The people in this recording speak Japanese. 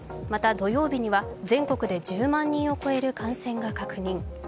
また土曜日には全国で１０万人を超える感染が確認。